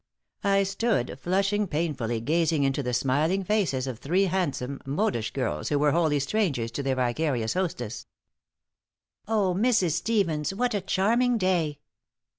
I stood, flushing painfully, gazing into the smiling faces of three handsome, modish girls who were wholly strangers to their vicarious hostess. "Oh, Mrs. Stevens, what a charming day!"